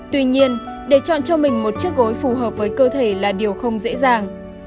tuy nhiên để chọn cho mình một chiếc gối phù hợp với cơ thể là điều không dễ dàng